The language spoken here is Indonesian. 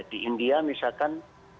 di india misalkan